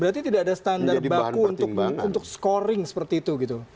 berarti tidak ada standar baku untuk scoring seperti itu gitu